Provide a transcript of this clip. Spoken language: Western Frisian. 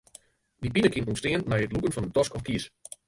Dy pine kin ûntstean nei it lûken fan in tosk of kies.